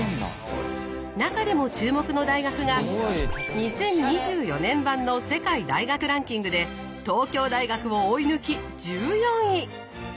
中でも注目の大学が２０２４年版の世界大学ランキングで東京大学を追い抜き１４位！